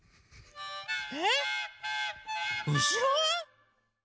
え⁉うしろ？